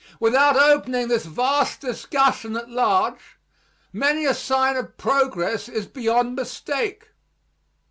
Without opening this vast discussion at large, many a sign of progress is beyond mistake.